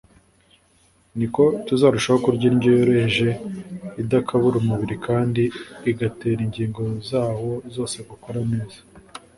niko tuzarushaho kurya indyo yoroheje idakabura umubiri kandi igatera ingingo zawo zose gukora neza